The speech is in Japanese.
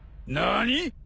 何！？